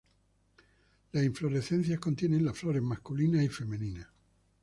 Las inflorescencias contienen las flores masculinas y femeninas.